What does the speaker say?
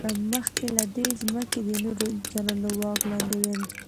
مخکې له دې، ځمکې د نورو انسانانو واک لاندې وې.